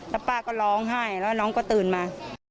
แล้วป้าก็ร้องไห้แล้วน้องก็ตื่นมา